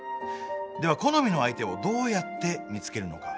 では好みの相手をどうやって見つけるのか？